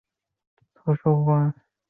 观雾山椒鱼是台湾特有种。